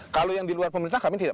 kalau yang di luar pemerintah kami tidak